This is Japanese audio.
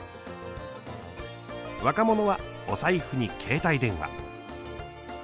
若者はお財布に携帯電話。